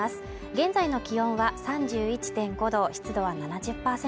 現在の気温は３１．５度湿度は７０％